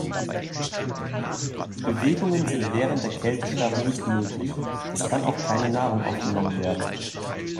Bewegungen sind während der Kältestarre nicht möglich, es kann auch keine Nahrung aufgenommen werden.